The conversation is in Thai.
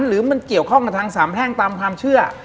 หรือมันเกี่ยวข้องกับทางสามแพ่งตามความเชื่อ